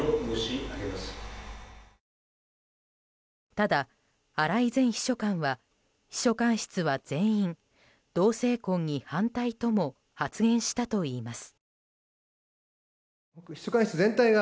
ただ、荒井前秘書官は秘書官室は全員同性婚に反対とも発言したといいます。